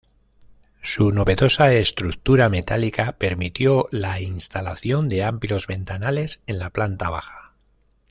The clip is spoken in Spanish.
Su novedosa estructura metálica permitió la instalación de amplios ventanales en la planta baja.